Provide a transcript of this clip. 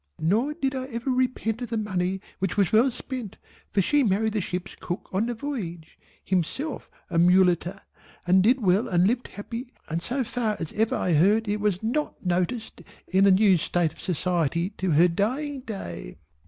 Nor did I ever repent the money which was well spent, for she married the ship's cook on the voyage (himself a Mulotter) and did well and lived happy, and so far as ever I heard it was not noticed in a new state of society to her dying day.